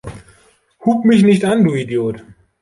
Hup' mich nicht an, du Idiot!